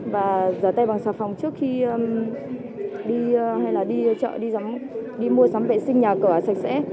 và giở tay bằng sạc phòng trước khi đi chợ đi mua sắm vệ sinh nhà cửa sạch sẽ